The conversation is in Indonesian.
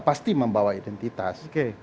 pasti membawa identitas oke